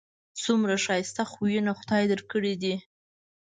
څومره ښایسته خویونه خدای در کړي دي